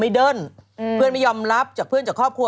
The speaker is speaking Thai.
ไม่เดิ้นไม่ยอมรับจากเพื่อนจากครอบครัว